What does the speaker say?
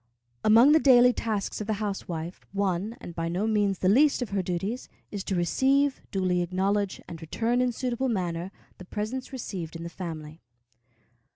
Among the daily tasks of the housewife, one, and by no means the least of her duties, is to receive, duly acknowledge, and return in suitable manner, the presents received in the family.